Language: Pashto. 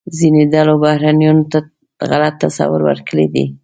ځینو ډلو بهرنیانو ته غلط تصور ورکړی دی.